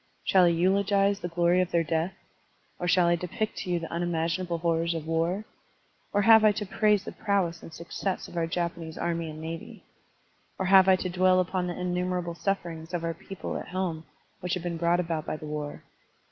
Shall I eulogize the glory of their death? or shall I depict to you the unimaginable horrors of war? or have I to praise the prowess and success of our Jap anese army and navy? or have I to dwell upon the innumerable sufferings of our people at home which have been brought about by the war?